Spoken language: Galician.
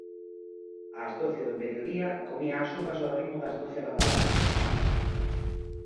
Ás doce do mediodía comía as uvas ao ritmo das doce badaladas.